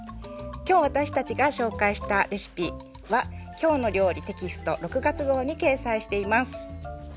今日私たちが紹介したレシピは「きょうの料理」テキスト６月号に掲載しています。